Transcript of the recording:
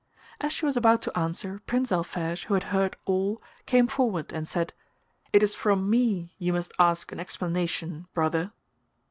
As she was about to answer Prince Alphege, who had heard all, came forward and said, 'It is from me you must ask an explanation, brother.